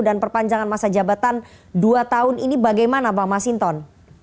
perpanjangan masa jabatan dua tahun ini bagaimana bang masinton